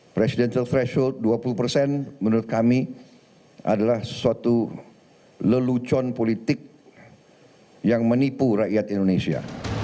presidential threshold dua puluh persen menurut kami adalah suatu lelucon politik yang menipu rakyat indonesia